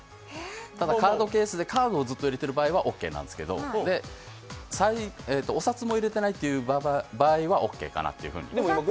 ただ、カードケースでカードをずっと入れてる場合はオーケーなんですけどお札も入れてないという場合はオッケーかなというふうに。